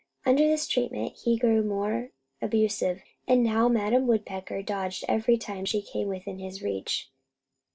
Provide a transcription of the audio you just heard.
Under this treatment he grew more abusive, and now Madam Woodpecker dodged every time she came within his reach.